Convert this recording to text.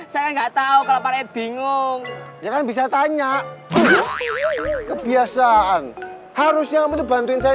saya nggak tahu kalau paret bingung ya kan bisa tanya kebiasaan harusnya kamu tuh bantuin saya